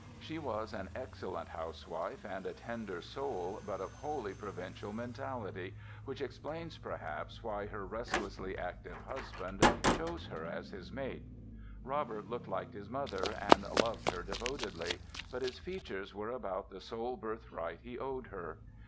She was an excellent housewife and a tender soul but of wholly provincial mentality (which explains, perhaps, why her restlessly active husband chose her as his mate). Robert looked like his mother and loved her devotedly. But his features were about the sole birthright he owed her.